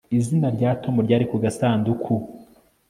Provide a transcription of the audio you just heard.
Izina rya Tom ryari ku gasanduku